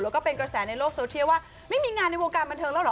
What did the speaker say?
แล้วก็เป็นกระแสในโลกโซเทียลว่าไม่มีงานในวงการบันเทิงแล้วเหรอ